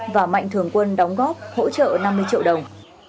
và mạnh thường quân đóng góp hỗ trợ năm mươi triệu đồng